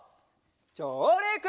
じょうりく！